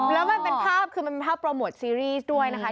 แล้วมันเป็นภาพคือมันเป็นภาพโปรโมทซีรีส์ด้วยนะคะ